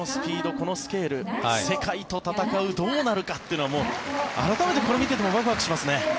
このスケール、世界と戦うどうなるかというのはもう改めてこれを見ていてもワクワクしますね。